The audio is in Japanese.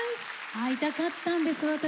会いたかったんです私。